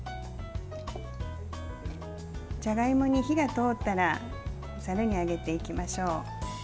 じゃがいもに火が通ったらざるにあげていきましょう。